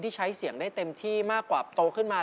ใช้เสียงได้เต็มที่มากกว่าโตขึ้นมา